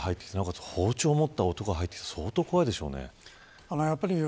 さらに包丁を持った男が入ってくるのは相当、怖いでしょうね。